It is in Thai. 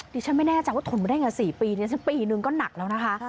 ดิฉันไม่แน่ใจว่าทนมาได้ไง๔ปีดิฉันปีนึงก็หนักแล้วนะคะ